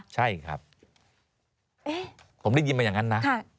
ใช่ครับผมได้ยินมาอย่างนั้นนะ